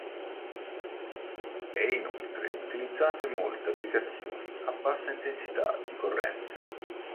È inoltre utilizzato in molte applicazioni a bassa intensità di corrente.